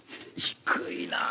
低いな。